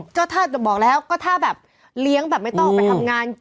ก็น่าบอกแล้วแบบล้างเลี้ยงไม่ต้องเอาออกไปทำงาน